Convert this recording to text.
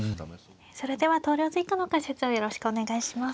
それでは投了図以下の解説をよろしくお願いします。